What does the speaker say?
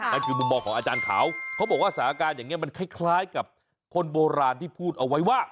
นั่นคือมุมมองของอาจารย์เขาเขาบอกว่าสถานการณ์อย่างนี้มันคล้ายกับคนโบราณที่พูดเอาไว้ว่า